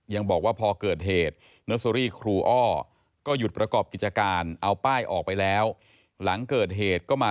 ยังบอกว่าพอเกิดเหตุ